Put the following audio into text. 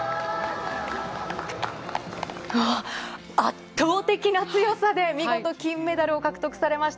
圧倒的な強さで、見事、金メダルを獲得されました